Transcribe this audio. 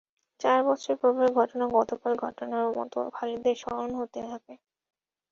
চার বছর পূর্বের ঘটনা গতকালের ঘটনার মত খালিদের স্মরণ হতে থাকে।